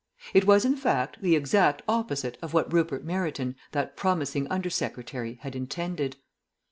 It was, in fact, the exact opposite of what Rupert Meryton, that promising Under Secretary, had intended.